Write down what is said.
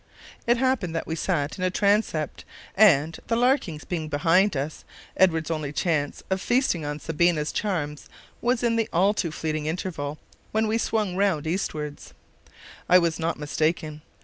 It happened that we sat in a transept, and, the Larkins being behind us, Edward's only chance of feasting on Sabina's charms was in the all too fleeting interval when we swung round eastwards. I was not mistaken.